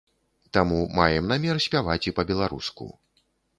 Таму маем намер спяваць і па-беларуску.